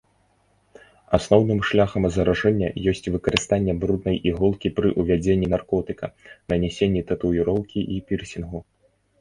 Асноўным шляхам заражэння ёсць выкарыстанне бруднай іголкі пры ўвядзенне наркотыка, нанясенні татуіроўкі і пірсінгу.